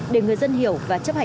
để người dân hiểu và chấp nhận